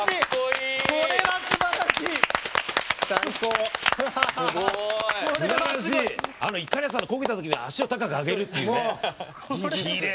いかりやさんがこけたときに足を高く上げるっていうね。